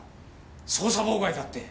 捜査妨害だって。